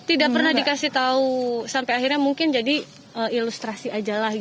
tidak pernah dikasih tahu sampai akhirnya mungkin jadi ilustrasi aja lah gitu